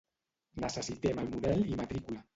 Necessitem el model i matricula.